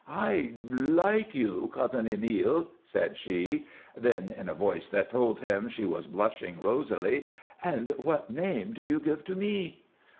"I like you, Cousin Emile," said she; then, in a voice that told him she was blushing rosily, "and what name do you give to me?"